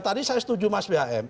tadi saya setuju mas bhm